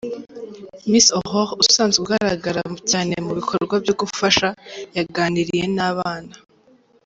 Miss Aurore usanzwe ugaragara cyane mu bikorwa byo gufasha yaganiriye n' abana.